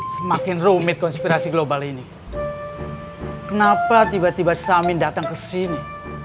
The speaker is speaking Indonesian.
semakin rumit konspirasi global ini kenapa tiba tiba samin datang ke sini